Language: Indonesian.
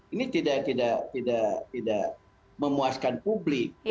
ini tidak memuaskan publik